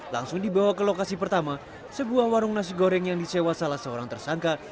langsung dibawa ke lokasi pertama sebuah warung nasi goreng yang disewa salah seorang tersangka